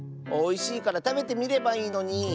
おいしいからたべてみればいいのに。